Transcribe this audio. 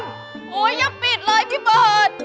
โฮยอย่าปิดเลยพี่เปิด